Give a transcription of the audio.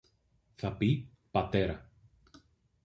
Θα πει, πατέρα